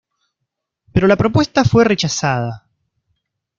Pero la propuesta fue rechazada.